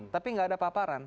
tapi tidak ada paparan